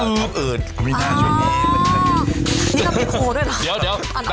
เดี๋ยวแต่ก่อนเคยชอบกินย่าอ่อนเนี้ยเคยเห็นตามหนังสือพิมพ์อ่ะ